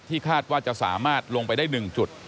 คาดว่าจะสามารถลงไปได้๑จุด